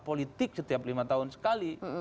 politik setiap lima tahun sekali